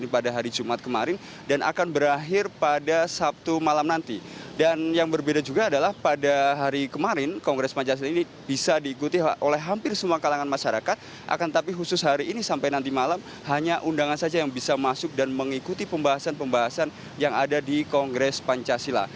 pada hari kemarin kongres pancasila ini bisa diikuti oleh hampir semua kalangan masyarakat akan tapi khusus hari ini sampai nanti malam hanya undangan saja yang bisa masuk dan mengikuti pembahasan pembahasan yang ada di kongres pancasila